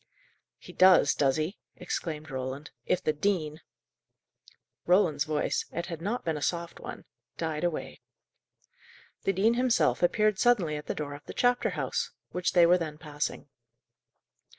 "He does, does he!" exclaimed Roland. "If the dean " Roland's voice it had not been a soft one died away. The dean himself appeared suddenly at the door of the chapter house, which they were then passing.